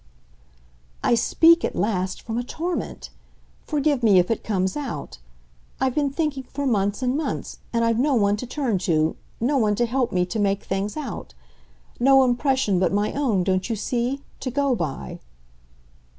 "I speak, at last, from a torment. Forgive me if it comes out. I've been thinking for months and months, and I've no one to turn to, no one to help me to make things out; no impression but my own, don't you see? to go by."